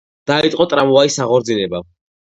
დაიწყო ტრამვაის აღორძინება.